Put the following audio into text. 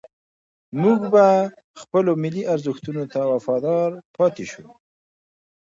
موږ به خپلو ملي ارزښتونو ته وفادار پاتې شو.